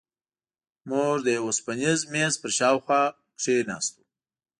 موږ د یوه اوسپنیز میز پر شاوخوا کېناستو.